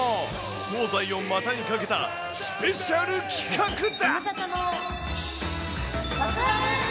東西を股にかけたスペシャル企画だ。